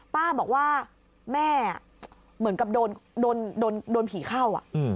ป้าบอกว่าแม่เหมือนกับโดนผีเข้า